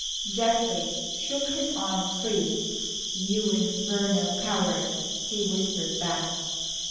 Geoffrey shook his arm free. "You infernal coward," he whispered back.